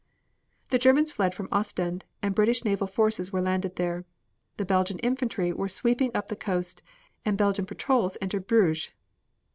The Germans fled from Ostend and British naval forces were landed there. The Belgian infantry were sweeping up the coast, and Belgian patrols entered Bruges.